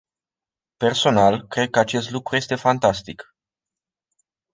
Personal, cred că acest lucru este fantastic.